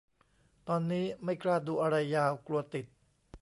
ตอนนี้ไม่กล้าดูอะไรยาว กลัวติด